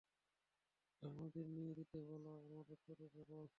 ওটা আমাদের দিয়ে দিতে বল, আমরা চলে যাবো।